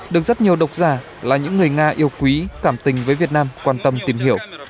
được rất nhiều độc giả là những người nga yêu quý cảm tình với việt nam quan tâm tìm hiểu